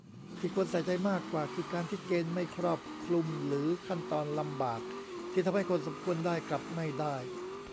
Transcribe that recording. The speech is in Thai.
ที่ควรใส่ใจมากกว่า คือการที่เกณฑ์ไม่ครอบคลุมหรือขั้นตอนลำบาก ที่ทำให้คนสมควรได้กลับไม่ได้